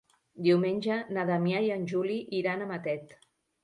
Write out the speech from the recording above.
Diumenge na Damià i en Juli iran a Matet.